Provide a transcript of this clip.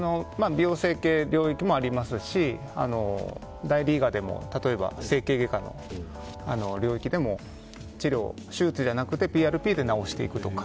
美容整形領域もありますし整形外科の領域でも手術じゃなくて、ＰＲＰで治していくとか。